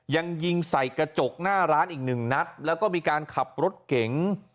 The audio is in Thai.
ยังยิงใส่กระจกหน้าร้านอีกหนึ่งนัดแล้วก็มีการขับรถเก๋ง